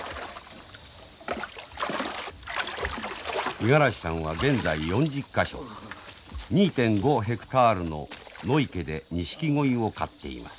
五十嵐さんは現在４０か所２．５ヘクタールの野池でニシキゴイを飼っています。